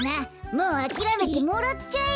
もうあきらめてもらっちゃえよ。